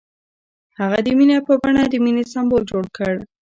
هغه د مینه په بڼه د مینې سمبول جوړ کړ.